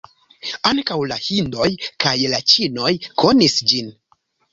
Ankaŭ la hindoj kaj la ĉinoj konis ĝin.